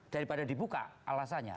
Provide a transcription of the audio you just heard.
daripada dibuka alasannya